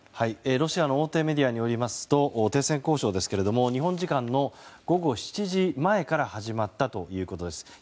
ロシアの大手メディアによりますと停戦交渉ですが日本時間の午後７時前から始まったということです。